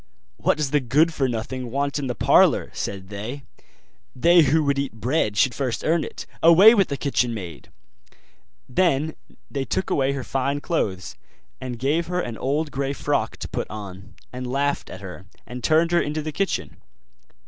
'What does the good for nothing want in the parlour?' said they; 'they who would eat bread should first earn it; away with the kitchen maid!' Then they took away her fine clothes, and gave her an old grey frock to put on, and laughed at her, and turned her into the kitchen.